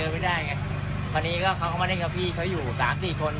พี่แม่บอกว่าพ่อน้องขาติดอยู่ในท่อ